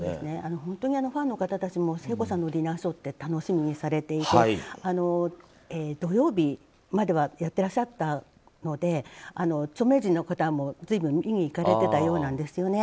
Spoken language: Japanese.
本当にファンの方たちも聖子さんのディナーショーって楽しみにされていて土曜日まではやってらっしゃったので著名人の方も随分、見に行かれていたようなんです。